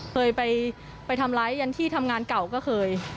เคยไปทำร้ายยันที่ทำงานเก่าก็เคย